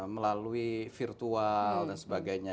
melalui virtual dan sebagainya